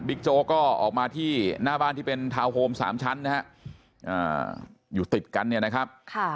โจ๊กก็ออกมาที่หน้าบ้านที่เป็นทาวน์โฮม๓ชั้นนะฮะอยู่ติดกันเนี่ยนะครับ